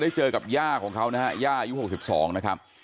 เจอกับย่าของเขานะฮะย่าอายุ๖๒นะครับ